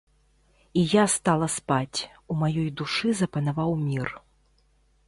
І я стала спаць, у маёй душы запанаваў мір.